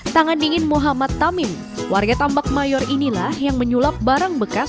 tangan dingin muhammad tamim warga tambak mayor inilah yang menyulap barang bekas